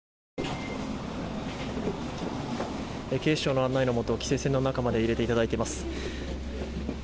警視庁の案内のもと規制線の中まで入れていただいています。